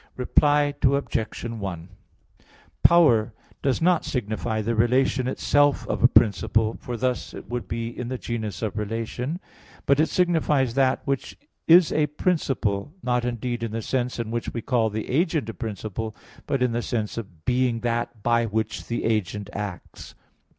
Reply Obj. 1: Power does not signify the relation itself of a principle, for thus it would be in the genus of relation; but it signifies that which is a principle; not, indeed, in the sense in which we call the agent a principle, but in the sense of being that by which the agent acts.